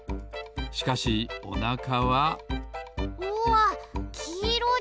しかしおなかはうわっきいろだ！